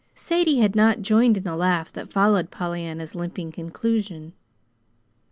(Sadie had not joined in the laugh that followed Pollyanna's limping conclusion.)